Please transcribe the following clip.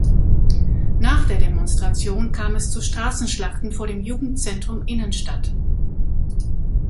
Nach der Demonstration kam es zu Straßenschlachten vor dem Jugendzentrum Innenstadt.